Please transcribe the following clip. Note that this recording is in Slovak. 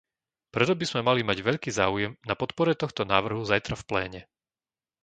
Preto by sme mali mať veľký záujem na podpore tohto návrhu zajtra v pléne.